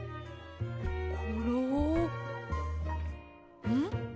コロん？